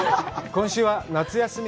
今週は夏休み